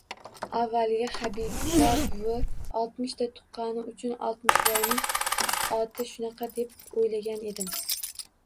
Avvaliga Habiba buvi oltmishta tuqqani uchun Oltmishvoyning oti shunaqa deb o‘ylagan edim.